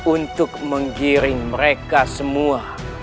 untuk menggiring mereka semua